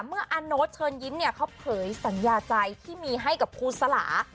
อาโน๊ตเชิญยิ้มเนี่ยเขาเผยสัญญาใจที่มีให้กับครูสลา